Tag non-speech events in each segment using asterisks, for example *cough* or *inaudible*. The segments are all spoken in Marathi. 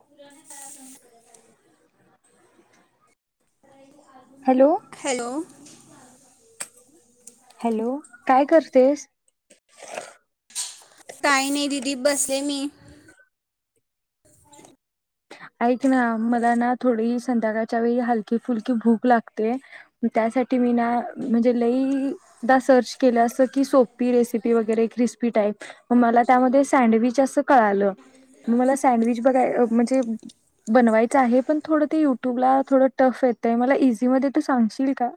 पुरन *unintelligible* हॅलो हॅलो. हॅलो काय करतेस? काही नाही. दिदी बसले मी. ऐक ना मला ना, थोडी संध्याकाळच्या वेळी हलकी फुलकी भूक लागते. त्यासाठी मी ना म्हणजे लईदा सर्च केलं असं कि, सोपी रेसिपी वगैरे क्रिस्पी टाईप म मला त्यामध्ये सँडविच असं कळालं मग मला सँडविच बघा अ म्हणजे बनवायचं आहे. पण थोडं ते युट्यूबला थोड टफ येतयं मला इझी मध्ये तु सांगशील का?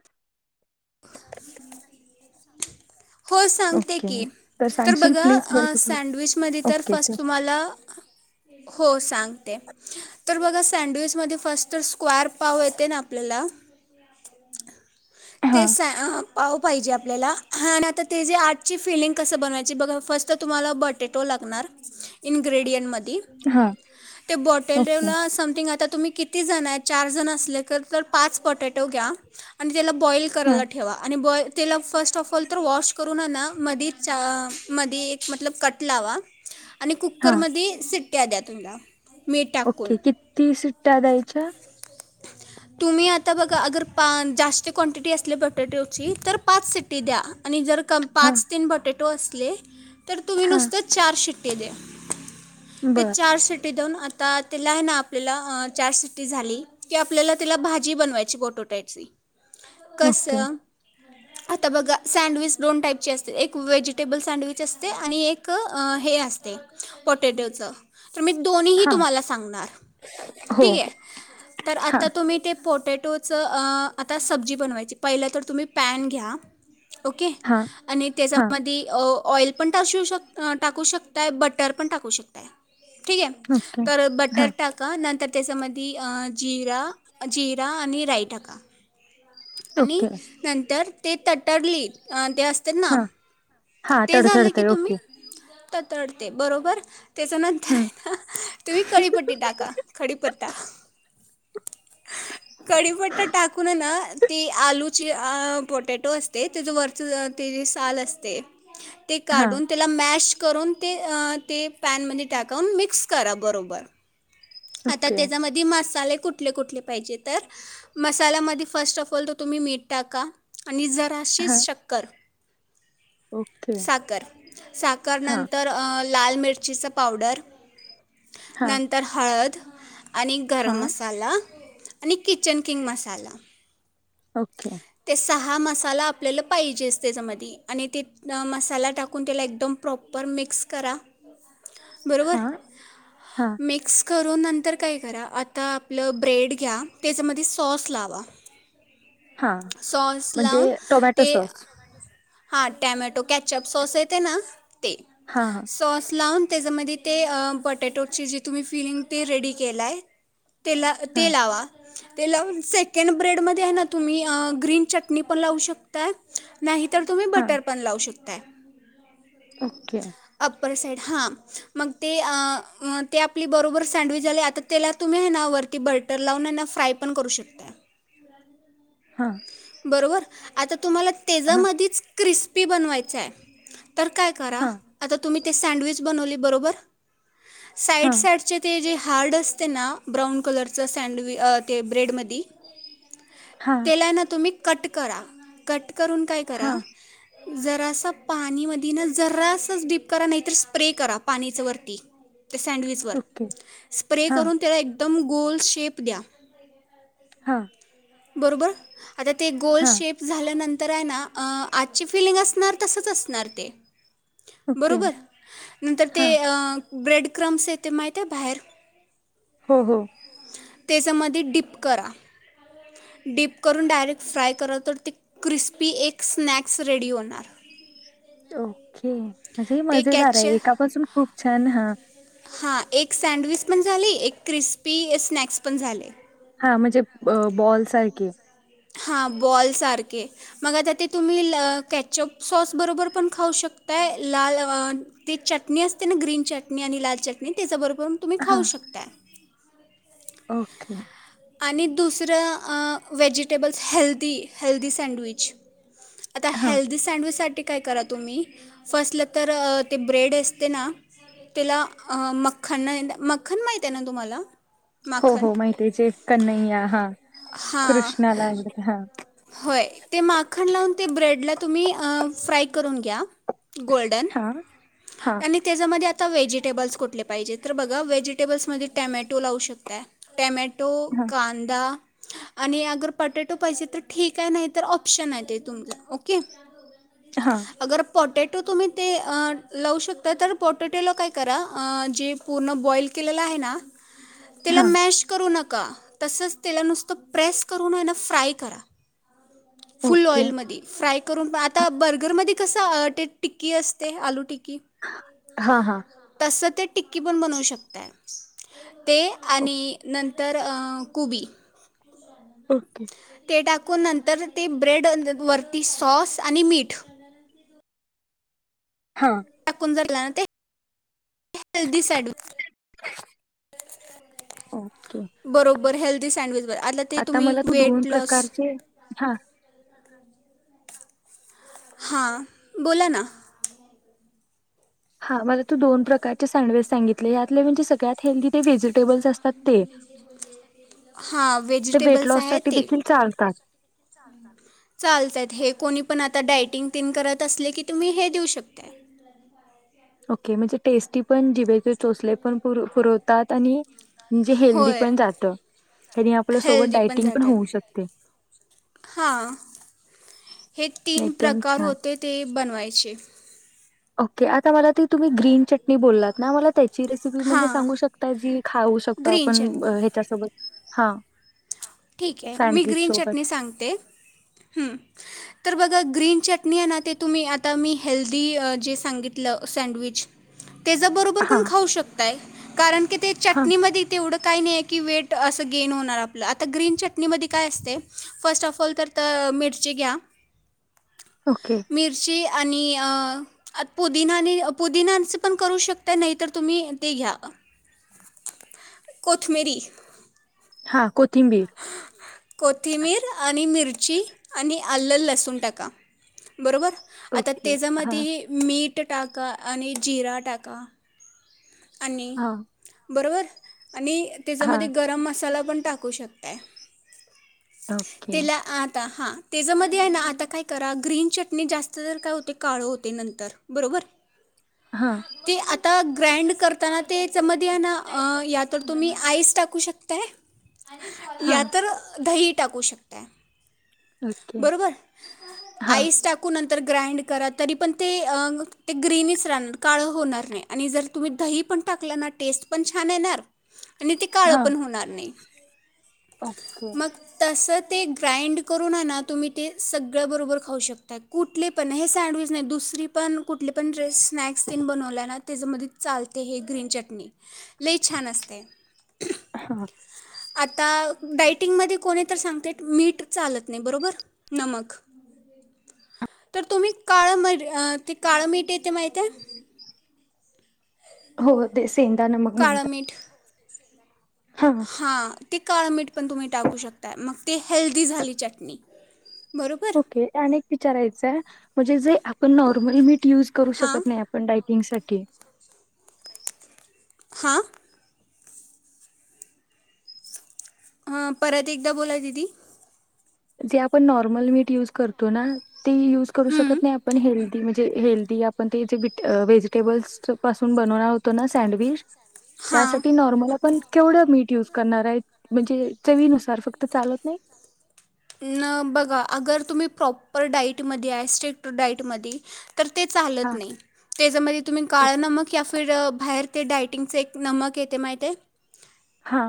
हो सांगते ओके की, तर सांगशील प्लीज बघा हेल्प सँडविचमध्ये तर ओके फस्ट तुम्हाला हो सांगते. तर बघा सँडविचमध्ये फस्ट तर *unintelligible* पाव येते ना आपल्याला. हा ते स्या अ पाव पाहिजे आपल्याला हा आता ते जे आजची फिलिंग कसं बनवायची बघा फर्स्ट तुम्हाला बटेटो लागणार. इन्ग्रेडियंटमध्ये हा ते ओके बॉटला समथिंग आ त्यात तुम्ही किती जण आहे चार जण असले तर पाच पटेटो घ्या आणि त्याला बॉईल हा करायला ठेवा आणि बॉ तेला फर्स्ट अ फॉल तर वॉश म ना मधीच अं मधीच म्हटलं कट लावा.. आणि हा कुकरमध्ये सिट.. द्या द्या तुमला ओके, किती सीट.. त्या द्यायच्या.. तुम्ही आता बघा अगर पा.. जास्त कॉन्टॅटी असली पोटॅटोची तर पाच सिट्टी द्या, आणि जर हा पाच, तीन, *unintelligible* बॉटेट तो असले.. तर तुम्ही हा नुसतं चार शिट्ट.. ते द्या ते बर चार सिटी दोन *unintelligible* आता तेला हाय ना आपल्याला अं.. चार सिट्टी झाली की, आपल्याला तिला भाजी बनवायची पोटॅटोची ओके कसं.... आता बघा, सँडविच दोन टाईपचे असते एक व्हेजिटेबल सँडविच असते आणि एक हे असते.. पोटॅटोचं.. तर मी दोन्हीही हा तुम्हाला सांगणार हो ठीक आहे.. तर हा आता तुम्ही ते.. पोटॅटोचं अं आता सब्जी बनवायची, पहिलं तर तुम्ही पॅन घ्या ओके.. हा आणि हा त्याच्यामध्ये ऑइल पण टाशु शक.. टाकू शकताय बटर पण टाकू शकताय ठीक आहे.. ओके तर हा बटर टाका नंतर त्याच्यामध्ये जिरा, जिरा आणि राई टाका आणि... ओके नंतर ते तटरली अं. ते अस ना... हा हा ते झालं की तडतडतय तुम्ही ओके तडतडते बरोबर त्याच्या हम्म नंतर..... तुम्ही कडीपती टाका पत्ता.. कडीपत्ता टाकून है ना ते आलू.. जे अं.. पोटॅटो असते त्याचे वरचे अ ते साल असते ते हा काढून त्याला मॅश.. करून ते अ ते पॅन मध्ये टाकून मिक्स करा बरोबर आता ओके त्याच्यामध्ये मसाले.. कुठले कुठले पाहिजे तर मसालामध्ये फर्स्ट ऑफ ऑल त तुम्ही मीठ टाका आणि हा जराशीच शक्कर ओके साख साख हा नंतर लाल मिरचीचं पावडर हा नंतर हद आणि हा गरम मसाला आणि किचन किंग मसाला ओके हा मसाला आपल्याला पाहिजेच त्याच्यामध्ये आणि ते मसाला टाकून त्याला एकदम प्रॉपर मिक्स करा बरोबर हा हा म्स करून नंतर काय करा आता आपलं ब्रेड घ्या त्याच्यामध्ये सॉस लावा हा सॉस म्हणजे टोमॅटो सॉस हा टॅमॅटो कॅचअप सॉस येते ना ते हा हा सोसला त्याच्यामध्ये ते बटॅटोचे जे तुम्ही फिरिंग ी रेडी केलाय तेला हा ते लालावा ते लाव सेकंड ब्रेड मध्ये आहे ना तुम्ही ग्रीन चटणी पण लावू शकताय नाही तर तुम्ही हा बटर पण लावू शकता कत्ता ओके सा हग आप बब सडविच झा आ त्याला तुम्ही वरती बटर लावून फ्राय पण करू शकता हां बरोबर आता तुम्हाला हा त्याच्यामध्येधच क्रिस्पी बनवायच आहे. तर काय करा हा आता तुम्ही ते सँडविच बनवली बरोबर. साईड हा साईडचे ते जे हार्ड असते ना ब्राऊन कलरचं सँडवि ते ब्रेडमध्ये हा तेल तुम्ही कट करा कट. करून काय हा करा. जरासा पाणी मध ना जरासच डडीप करा नाहीतर स्प्रे करा पाणीच वरती ते सँडविचवर ओके स्प्रे हा करून त्याला एक तम गोल शेप द्या. हा बरोबर. आता ते गोल हा शेप झाल्यानंतर तर आहे ना आजची फिलिंग असणार तसच असणार ते. ओके बरोबर नर हा ब्रेड. क्रमस ते मा त्या बाहेर हो हो त्याच्यामध्ये डीप करा डडीप करून डायरेक्ट फ्राय करा तर ती क्रिस्पी एक स्नॅक्स रेडी होणार. हो. ओ म्हणजे ह ते मजेदार कॅच आहे एकापसून खूप छान हा. हां एक सँडविच पण झाली एक क्रिस्पी स्नॅक्स पण झाले. हा म्हणजे बॉल सारखे हां बॉल सारखे मग आता ते तुम्ही कॅचअप सॉस बरोबर पण खाऊ शकताय लाल ते चटणी असते ना ग्रीन चटणी आणि लाल चटणी त्याच्याबरोबर तुम्ही हां, खाऊ शकता. ओके. आणि दुसरं वहेजिटेबल्स हेल्दी हेल्दी सँडविच आता हां, हेल्दी सँडविचसाठीठी काय करा तुम्ही फर्स्टला तर ते ब्रेड असते ना त्याला मन मन माहिित आहे ना तुम्हाला हो माखन हो माहिचे कनय्या हा हां कृष्णाला हा होय ते माखण लावून ते ब्रेडला तुम्ही फ्राय करून घ्या. गोल्डन हां, हां, आणि त्याच्यामध्ये आ. आता व्हेजिटेबल्स कुठले पाहिजे तर बघा व्हेजिटेबल्समध्येध्ये टॅमॅटो लावू शकताय टॅमॅट टो हां, कांदा आणि अगर पटॅटो पाहिजे तर. ठीक आहे, नाही तर ऑप्शन हाय ते तुमचं ओके. हां, अगर पोटट तुम्ही ते अ लावू शकताय तर पोटेटोला काय करा अ जे पूर्ण बॉईल केलेलं आहे ना. त्याला हां, मॅश करू नका का तसच तेला नुसतं प्रेस करून हाय ना फ्राय करा. Full okay. ऑइलमध्यी फ्राय करून आता बर्गरमध्ये कस ते टिक्की असते आलू टिक्की हां, हां, तस ते टिक्की पण बनवू शकताय. ते आणि नंत तर अ कुबी ओके. टाकून नंतर ते ब्रेड वरती सॉस आणि मीठ हां, टाकून झाला ते हल्दी साईड ओके. बरोबर हेल्थ ते सँड्विच आता मला तू दोन प्रकारचे हा. हां बोला ना. हा मला तू दोन प्रकारचे सँडविच सांगितले यातले म्हणजे सगळ्यात हेल्दी ते व्हेजिटेबल्स असतात ते. हां ते वेट व्हेजिटेबल्स लॉस आहे साठी देखील चालतात. चालतय हे कोणी पण आता डायटिंग तेन करत असले की तुम्ही हे देऊ शकताय. ओके, म्हणजे टेस्टी पण जिभेचे चोचले पण पुरवतात आणि म्हणजे हेल्दी होय पण जातं त्यानी आपल्या सोबत हेल्दी पण डायटिंग जातय होऊ शकते. हां हे तीन एकदम प्रकार छान होते ते बनवायचे. ओके. आ मला तुम्ही ग्रीन चटणी बोललात ना मला त्याची रेसिपी म्हणजे हां सांगू शकताय जी खाऊ शकतो ग्रीन आपण चटणी हेच्यासोबत. हा. ठीक आहे मी ग्रीन चटणी सांगते तर ब ग्रीन चटणी हाय ना तुम्ही आता मी हेल्दी जे सांगितलं सडविच. तेझ्या बरोबर पण हां खाऊ शकताय, कारण की ते हां चटणीमध्ये तेवढं काय नई हाय की वेट अस गेन होणार आपल आता ग्रीन चटणीमध्ये काय असतय फर्स्ट ऑफ ऑल तर तर मिरची घ्या. ओके मिर्ची. आणि अ पुदिनाने पुदिनाचे पण करू शकता नाही तर तुम्ही ते घ्या कोथमीरी. हा कोथिंबीर. कोथिंमीर आणि मिरची आणि आलं, लसूण टाका बरोबर. आता ओके हां त्याच्यामध्ये मीठ ते टाका आणि जीरा टाका. आणि हां बरोबर. आणि तेजामध्ये हां गरम मसाला आपण टाकू शकतायं. *inaudible* ओके तिला आता हां त्याच्यामध्ये आहे ना, आता काय करा ग्रीन चटणी जास्त तर काय होते काळं होते नंतर बरोबर. हां *inaudible* ते आता ग्रँड करताना तेच मधी हाय ना अ यातर तुम्ही आईस टाकू शकताय हां या तर दही टाकू शकताय. ओके बरोबर, हां आईस टाकू नं तर ग्राईंड करा तरी पण ते अ ग्रीनच राहनार काळ होणार नाही आणि जर तुम्ही दही पण टाकलंणा टेस्ट पण छान येणार आणि ते काळं हां पण होणार नाही. *inaudible* ओके मग तसच ते ग्राइंड करून हाय ना तुम्ही ते सगळ बरोबर खाऊ शकता. कुठले पण हे सँडविच नाही दुसरी पण कुठले पण जे स्नॅक्स तेन बनवलायं ना त्याच्यामध्ये चालते हे ग्रीन चटणी. ली छान असते. हां *inaudible* आता डायटिंगमध्ये कोनी तर सांगतेत मीठ चालत नाही बरोबर. नमक, *inaudible* तर तुम्ही काळं मेठ अ ते काळं मीठ येते माहित हाय. *inaudible* हो तेच. सेंदा नमक म्हणतात. हां हा ते काळ मीठ पण तुम्ही टाकू शकताय. मग ते हेल्दी झाली चटणी. बरोबर ओके आणि एक विचारायचाय? म्हणजे जे आपण नॉर्मल मीठ यूज करू हां शकत नाही आपण डाए टिंगसाठी. हा. ह परत एकदा बोला दिदी. जे आपण नॉर्मल मीट यूज करतो ना. ते यूज करू हं, शकत नाही आपण हेल्दी म्हणजे हेल्दी आपण ते जे व्हिट अ व्हेजिटेबल्स पासून बनवणार होतो ना सँडविच हां त्यासाठी नॉर्मल आपण केवढं मीठ यूज करणार आहे, म्हणजे चवीनुसार फक्त चालत नाही. न बघा अगर तुम्ही प्रॉपर डाईटमध्ये आहे. स्ट्रिक्ट डाईटमधी तर ते चालत हा नाही. त्याच्यामध्ये तुम्ही काळं नमक या फिर बाहेर ते डायटिंगचे एक नमक येते माहितीय हा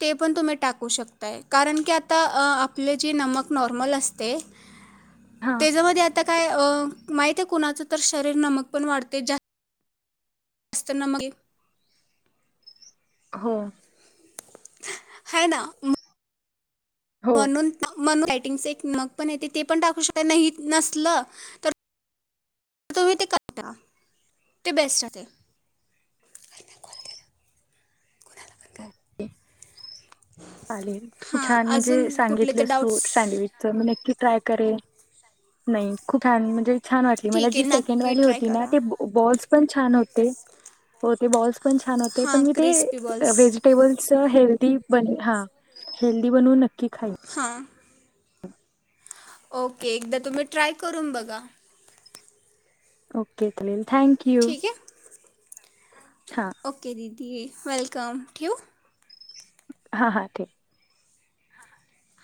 ते पण तुम्ही टाकू शकताय. कारण की आता आपले जे नमक नॉर्मल असते. हा त्याच्यामध्ये आता काय माहिते कुणाच तर शरीर नमक पण वाढते. जास्त *unintelligible* हो हना. हो पणून प मन रायटिंग एक मग पण येते ते पण टाकू शक नाही नसल तर तुम्ही ते का ते बेस्ट ओके चाले खूप हां छान म्हणजे अजून कुठले तर सांगितलंस तू डाऊट्स सँडविचच म्हणज ट्राय करे नाही खूप छान म्हणजे छान वाटली मला ठीक आहे जी सेकंड नक्की वाली ट्राय होती ना करा ते बॉल्स पण छान होते हो बॉ पण छान होते पण हां मी ते क्रिस्पी बॉल्स व्हेजिटेब हेल्थ ती बन हा हेल्दी बनवू नककी हा ओके एकदा तुम्ही ट्राय करून बघा ओके तल थँक यू ठीक आहे हां ओके दिी वेलकम ठेव हा हा ठीक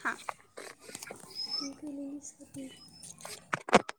हा मु गलेलीसाठी हा